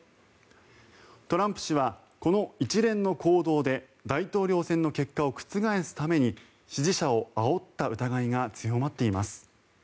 トランプ氏はこの一連の行動で大統領選の結果を覆すために支持者をあおった疑いが強まっています。